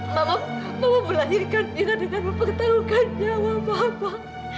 mama mama melahirkan mira dengan mempertahankan nyawa papa